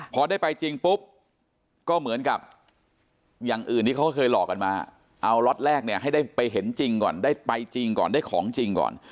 พอได้ไปจริงปุ๊บก็เหมือนกับอย่างอื่นที่เขาเคยหลอกกันมาเอาล็อตแรกเนี่ยให้ได้ไปเห็นจริงก่อนได้ไปจริงก่อนได้ของจริงก่อน